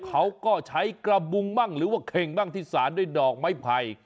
เขาก็ใช้กระบุงบ้างหรือว่าเข่งบ้างที่สารด้วยดอกไม้ไผ่